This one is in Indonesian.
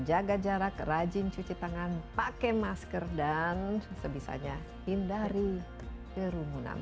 jaga jarak rajin cuci tangan pakai masker dan sebisanya hindari kerumunan